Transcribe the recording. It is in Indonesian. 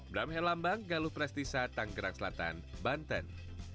bramhel lambang galuh prestisa tanggerang selatan banten